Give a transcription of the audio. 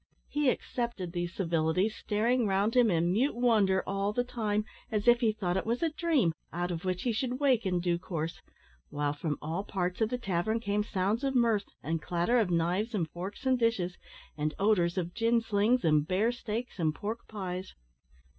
He accepted these civilities, staring round him in mute wonder all the time, as if he thought it was a dream, out of which he should wake in due course, while, from all parts of the tavern, came sounds of mirth, and clatter of knives and forks and dishes, and odours of gin slings and bear steaks and pork pies.